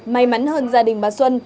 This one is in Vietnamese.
may mắn hơn gia đình bà xuân